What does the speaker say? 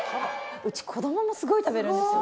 うち子どももスゴい食べるんですよ。